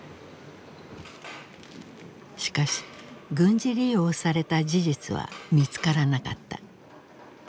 しかし軍事利用された事実は見つからなかった。